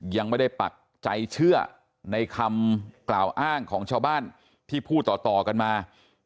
ยังไม่ปักใจเชื่อในคำกล่าวอ้างของชาวบ้านที่พูดต่อกันมา